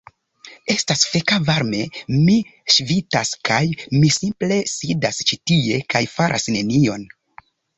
Estas feka varme. Mi ŝvitas kaj mi simple sidas ĉi tie kaj faras nenion.